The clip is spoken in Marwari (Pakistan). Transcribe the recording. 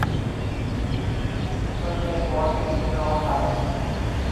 اُڪڙتي پوڻِي هون چونه ٺاهو۔